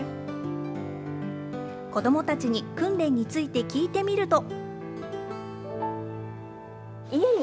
子どもたちに訓練について聞いてみると。